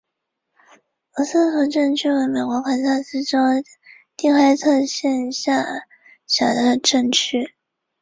吴城杯殖吸虫为同盘科杯殖属的动物。